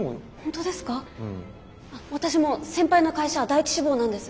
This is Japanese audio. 私も先輩の会社第１志望なんです。